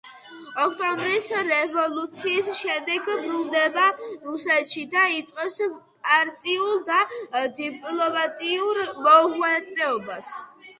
ოქტომბრის რევოლუციის შემდეგ ბრუნდება რუსეთში და იწყებს პარტიულ და დიპლომატიურ მოღვაწეობას.